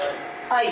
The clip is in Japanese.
はい。